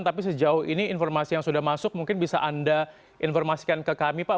tapi sejauh ini informasi yang sudah masuk mungkin bisa anda informasikan ke kami pak